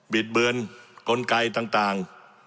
ิดเบือนกลไกต่าง